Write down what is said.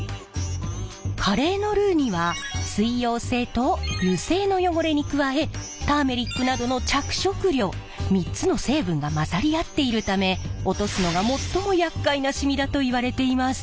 カレーのルーには水溶性と油性の汚れに加えターメリックなどの着色料３つの成分が混ざり合っているため落とすのが最もやっかいなしみだといわれています。